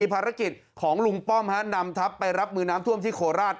ภารกิจของลุงป้อมนำทัพไปรับมือน้ำท่วมที่โคราช